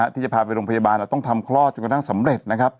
ที่จะพาไปโรงพยาบาลต้องทำคลอดจนกระทั่งสำเร็จนะครับ